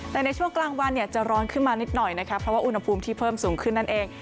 แต่ในช่วงกลางวันเนี่ยจะร้อนขึ้นมานิดหน่อยนะคะเพราะว่าอุณหภูมิที่เพิ่มสูงขึ้นนั่นเอง